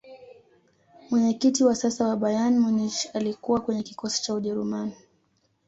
mwenyekiti wa sasa wa bayern munich alikuwa kwenye kikosi cha ujerumani